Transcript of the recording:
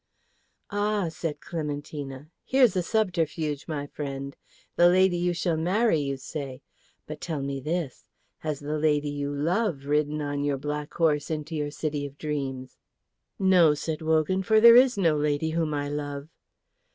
"Ah," said Clementina, "here's a subterfuge, my friend. The lady you shall marry, you say. But tell me this! Has the lady you love ridden on your black horse into your city of dreams?" "No," said Wogan; "for there is no lady whom I love."